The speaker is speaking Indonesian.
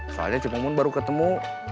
soalnya cimumun baru ketemu